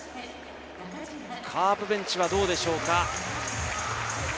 カープベンチはどうでしょうか。